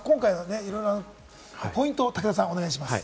今回のいろんなポイントを武田さん、お願いします。